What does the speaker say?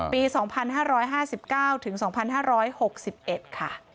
ปี๒๕๕๙ถึง๒๕๖๑ค่ะ